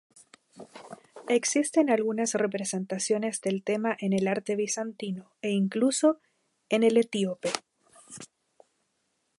Existen algunas representaciones del tema en el arte bizantino, e incluso en el etíope.